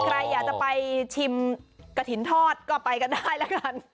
ใครอยากจะไปชิมกระถิ่นทอดก็ไปกันได้แล้วกัน